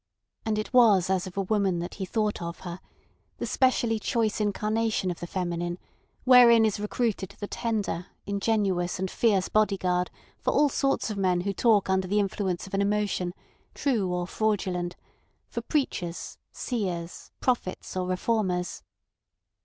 And it was as of a woman that he thought of her—the specially choice incarnation of the feminine, wherein is recruited the tender, ingenuous, and fierce bodyguard for all sorts of men who talk under the influence of an emotion, true or fraudulent; for preachers, seers, prophets, or reformers.